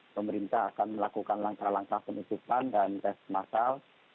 pemerintah akan melakukan langkah langkah penutupan dan tes masal